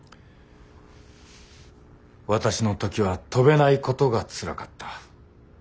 私の時は飛べないことがつらかった。